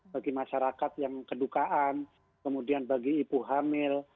bagi masyarakat yang kedukaan kemudian bagi ibu hamil